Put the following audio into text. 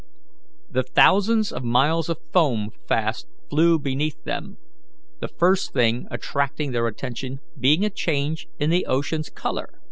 The thousands of miles of foam fast flew beneath them, the first thing attracting their attention being a change in the ocean's colour.